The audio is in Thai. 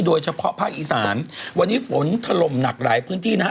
โดยเฉพาะภาคอีสานวันนี้ฝนถล่มหนักหลายพื้นที่นะฮะ